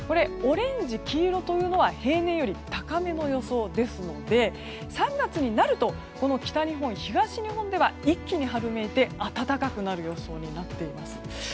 オレンジ、黄色というのは平年より高めの予想ですので３月になると北日本、東日本では一気に春めいて暖かくなる予想になっています。